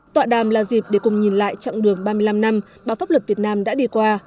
tọa đàm là dịp để cùng nhìn lại chặng đường ba mươi năm năm báo pháp luật việt nam đã đi qua